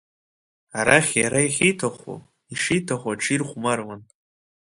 Арахь иара иахьиҭаху, ишиҭаху аҽы ирхәмаруан.